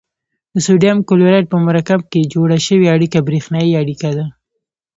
د سوډیم کلورایډ په مرکب کې جوړه شوې اړیکه بریښنايي اړیکه ده.